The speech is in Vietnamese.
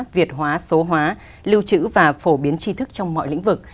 việt hóa số hóa lưu trữ và phổ biến chi thức trong mọi lĩnh vực